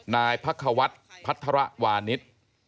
นายพักควัฒน์พัฒระวานิส